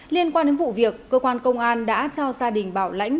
liên quan đến vụ việc cơ quan công an đã cho gia đình bảo lãnh